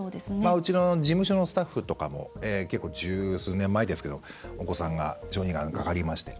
うちの事務所のスタッフとかも、十数年前ですがお子さんが小児がんにかかりまして